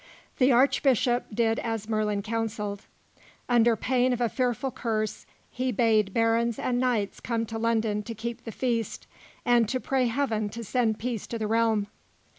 The Archbishop did as Merlin counselled. Under pain of a fearful curse, he bade barons and knights come to London to keep the feast, and to pray heaven to send peace to the realm.